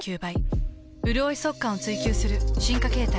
うるおい速乾を追求する進化形態。